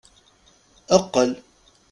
Eqqel!